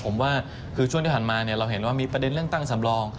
ผมว่าคือช่วงที่ผ่านมาเราเห็นว่ามีประเด็นเรื่องตั้งสำรอง